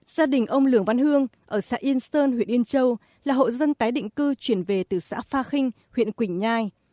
gia đình ông lường văn hương ở xã yên sơn huyện yên châu là hộ dân tái định cư chuyển về từ xã pha kinh huyện quỳnh nhai